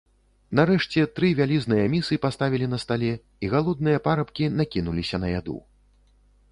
Нарэшце тры вялізныя місы паставілі на стале, і галодныя парабкі накінуліся на яду.